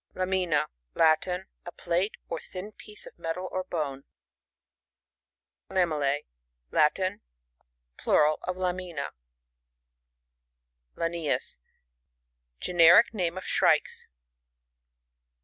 Lamina. — Latin. A pLtte, or thin piece of metal or bone. LAMiNiC — Latin. Plural of Lamina. Lanius. — G^encric name of Shrikes.